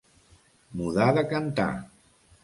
Mudar de cantar.